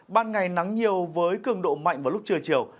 ban ngày nắng nhiều với cường độ mạnh vào lúc trưa chiều